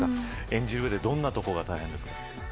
演じる上でどんなところが大変ですか。